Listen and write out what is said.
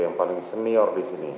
yang paling senior disini